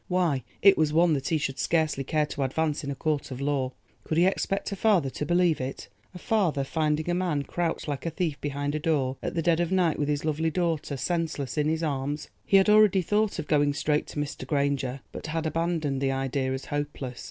why, it was one that he should scarcely care to advance in a court of law. Could he expect a father to believe it—a father finding a man crouched like a thief behind a door at the dead of night with his lovely daughter senseless in his arms? He had already thought of going straight to Mr. Granger, but had abandoned the idea as hopeless.